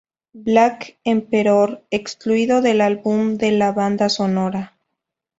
Black Emperor, excluido del álbum de la banda sonora.